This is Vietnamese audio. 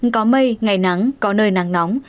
có mây ngày nắng có nơi nắng nóng